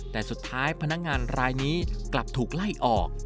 แต่สุดท้ายพนักงานรายนี้กลับถูกไล่ออก